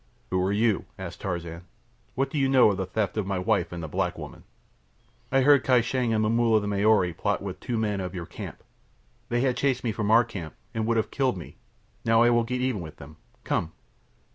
"Who are you?" asked Tarzan. "What do you know of the theft of my wife and the black woman?" "I heard Kai Shang and Momulla the Maori plot with two men of your camp. They had chased me from our camp, and would have killed me. Now I will get even with them. Come!"